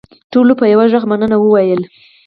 ټولو په یوه غږ مننه وویل.